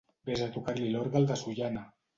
Ves a tocar-li l'orgue al de Sollana!